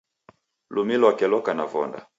Lumi lwake loka na vonda